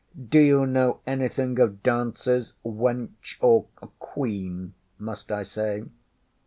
Do you know anything of dances, wench or Queen, must I say?